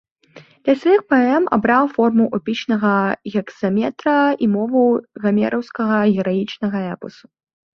Для сваіх паэм абраў форму эпічнага гекзаметра і мову гамераўскага гераічнага эпасу.